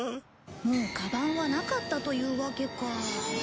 もうカバンはなかったというわけか。